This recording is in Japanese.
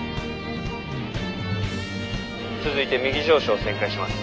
続いて右上昇旋回します。